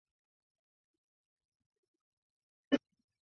可浏览的内容如下。